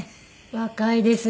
若いですね。